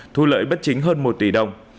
thu lợi bắt chính hơn một tỷ đồng